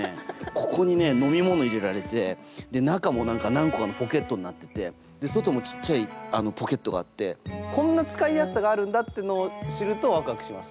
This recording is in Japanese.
ここにね飲み物入れられて中も何個かのポケットになってて外もちっちゃいポケットがあってこんな使いやすさがあるんだっていうのを知るとワクワクします。